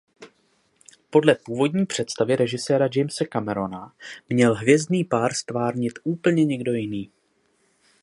Podle původní představy režiséra Jamese Camerona měl hvězdný pár ztvárnit úplně někdo jiný.